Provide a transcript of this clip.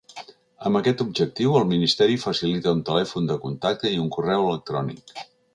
Amb aquest objectiu, el ministeri facilita un telèfon de contacte i un correu electrònic.